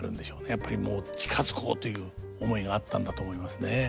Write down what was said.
やっぱりもう近づこうという思いがあったんだと思いますね。